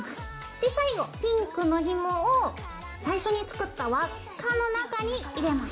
で最後ピンクのひもを最初に作った輪っかの中に入れます。